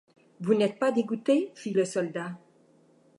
Vous n’êtes pas dégoûté, fit le soldat.